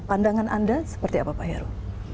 pandangan anda seperti apa pak heru